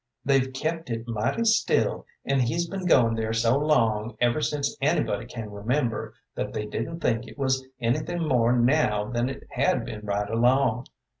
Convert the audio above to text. "They've kept it mighty still, and he's been goin' there so long, ever since anybody can remember, that they didn't think it was anything more now than it had been right along.